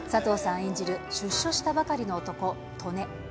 演じる出所したばかりの男、とね。